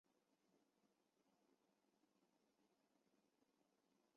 港内线渡轮航线是指行走维多利亚港以内地点的专营持牌渡轮服务。